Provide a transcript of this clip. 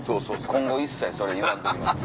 今後一切それ言わんときます。